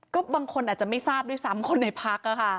ก็บางคนอาจจะไม่ทราบด้วยซ้ำคนในพัก